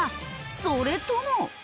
それとも。